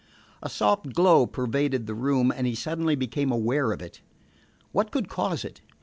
A soft glow pervaded the room, and he suddenly became aware of it. What could cause it?